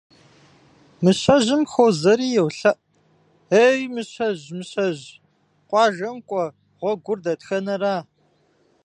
Мыщэжьым хуозэри йолъэӏу: Ей, Мыщэжь, Мыщэжь, къуажэм кӏуэ гъуэгур дэтхэнэра?